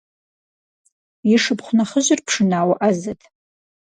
И шыпхъу нэхъыжьыр пшынауэ Ӏэзэт.